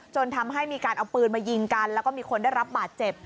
ทำให้มีการเอาปืนมายิงกันแล้วก็มีคนได้รับบาดเจ็บ